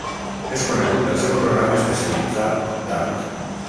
És conegut pel seu programa especialitzat d'art.